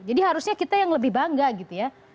jadi harusnya kita yang lebih bangga gitu ya